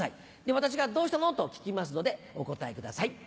私が「どうしたの？」と聞きますのでお答えください。